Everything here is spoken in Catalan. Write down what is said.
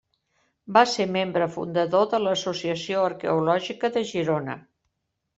Va ser membre fundador de l'Associació Arqueològica de Girona.